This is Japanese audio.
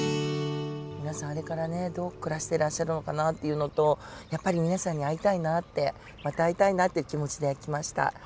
皆さんあれからねどう暮らしていらっしゃるのかなというのとやっぱり皆さんに会いたいなってまた会いたいなという気持ちで来ました。